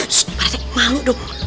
ssst pak rt malu dong